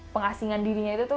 pengasingan dirinya itu tuh